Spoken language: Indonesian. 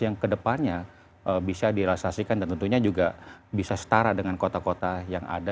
yang kedepannya bisa dirasasikan dan tentunya juga bisa setara dengan kota kota yang ada